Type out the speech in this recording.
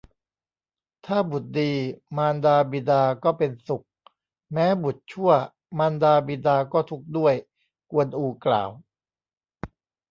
ถ้าบุตรดี มารดาบิดาก็เป็นสุข แม้บุตรชั่ว มารดาบิดาก็ทุกข์ด้วย กวนอูกล่าว